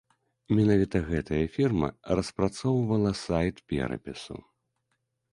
Менавіта гэтая фірма распрацоўвала сайт перапісу.